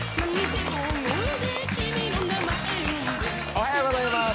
おはようございます。